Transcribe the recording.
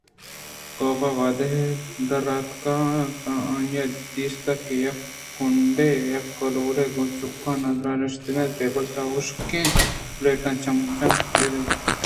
کاف وہدے دراتک تاں آئی ءَ دیست کہ یک کنڈے ءَ یک کہولے گوں چکاں نان ءِ ودار ءَ نشتگ ءُٹیبل ءِ سرا حُشکیں پلیٹ ءُچمچہ ایراِت اَنت